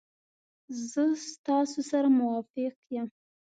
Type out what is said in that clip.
زه ستاسو سره موافق یم.